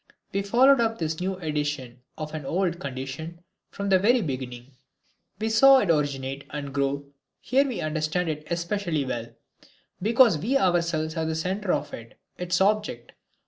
We followed up this new edition of an old condition from the very beginning, we saw it originate and grow; hence we understand it especially well, because we ourselves are the center of it, its object.